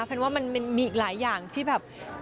แปลว่ามันมีหลายอย่างที่แบบ